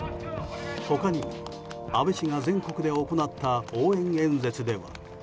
他にも、安倍氏が全国で行った応援演説では。